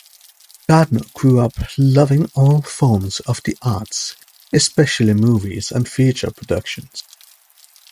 Gardner grew up loving all forms of the arts, especially movies and theatre productions.